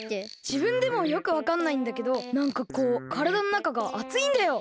じぶんでもよくわかんないんだけどなんかこうからだのなかがあついんだよ！